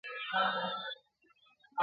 په ژوند یې ښځي نه وې لیدلي !.